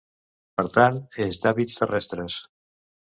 Per tant, és d'hàbits terrestres.